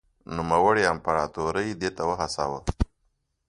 نوموړي امپراتور دې ته وهڅاوه.